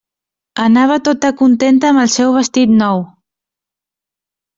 Anava tota contenta amb el seu vestit nou.